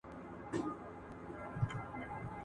هغه فکر چي عملي نه سي ارزښت نه لري.